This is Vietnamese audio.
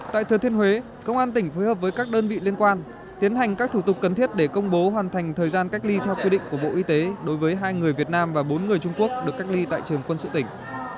tại thừa thiên huế công an tỉnh phối hợp với các đơn vị liên quan tiến hành các thủ tục cần thiết để công bố hoàn thành thời gian cách ly theo quy định của bộ y tế đối với hai người việt nam và bốn người trung quốc được cách ly tại trường quân sự tỉnh